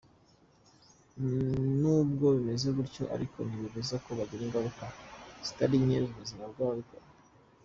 Nubwo bimeze bityo ariko ntibibuza ko bigira ingaruka zitari nke ku buzima bw’ababikora.